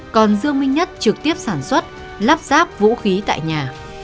còn dương minh nhất trực tiếp sản xuất lắp ráp vũ khí tại nhà